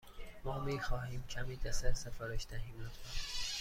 ما می خواهیم کمی دسر سفارش دهیم، لطفا.